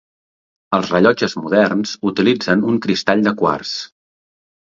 Els rellotges moderns utilitzen un cristall de quars.